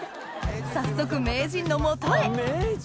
早速名人の元へ！